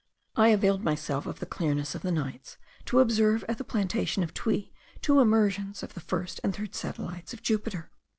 I availed myself of the clearness of the nights, to observe at the plantation of Tuy two emersions of the first and third satellites of Jupiter.